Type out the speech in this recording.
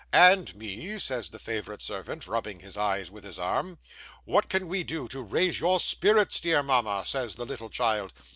"And me!" says the favourite servant, rubbing his eyes with his arm. "What can we do to raise your spirits, dear mama?" says the little child.